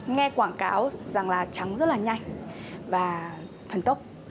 nghe quảng cáo rằng là trắng rất là nhanh và thần tốc